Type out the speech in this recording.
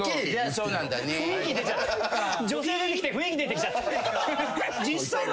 女性出てきて雰囲気出てきちゃった。